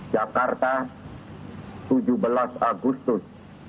jakarta tujuh belas agustus seribu sembilan ratus empat puluh lima